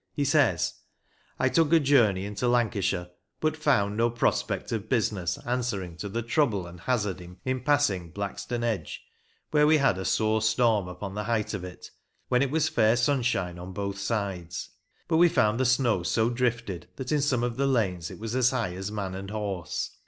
He says : I took a journey into Lancashire, but found no prospect of business answering to the trouble and hazard in passing Blackstone Edge, where we had a sore storm on the height of it, when it was fair sunshine on both sides, but we found the snow so drifted that in some of the lanes it was as high as man and horse.